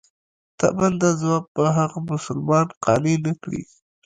طبعاً دا ځواب به هغه مسلمانان قانع نه کړي.